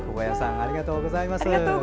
ありがとうございます。